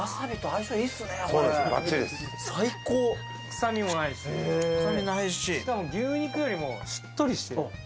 臭みもないし、牛肉よりもしっとりしている。